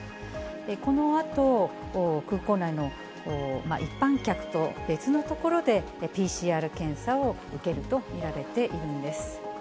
このあと、空港内の一般客と別の所で、ＰＣＲ検査を受けると見られているんです。